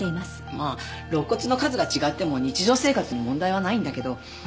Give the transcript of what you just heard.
まあ肋骨の数が違っても日常生活に問題はないんだけど。